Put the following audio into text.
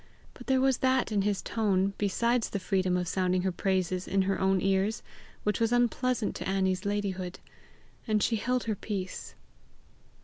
But there was that in his tone, besides the freedom of sounding her praises in her own ears, which was unpleasing to Annie's ladyhood, and she held her peace.